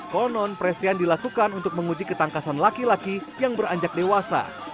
konon presian dilakukan untuk menguji ketangkasan laki laki yang beranjak dewasa